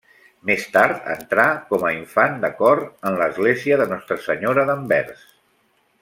Més tard entrà com a infant de cor en l'església de Nostra Senyora d'Anvers.